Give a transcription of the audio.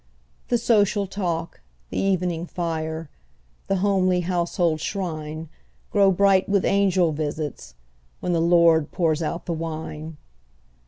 The social talk, the evening fire, The homely household shrine, Grow bright with angel visits, when The Lord pours out the wine.